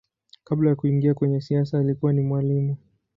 Kabla ya kuingia kwenye siasa alikuwa ni mwalimu.